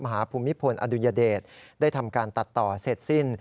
ภูมิพลอดุญเดชได้ทำการตัดต่อเสร็จสิ้น